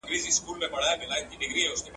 ولسي جرګه به د قانون د حاکميت لپاره هڅه وکړي.